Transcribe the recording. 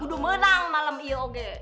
udah menang malam iya oke